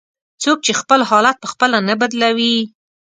"څوک چې خپل حالت په خپله نه بدلوي".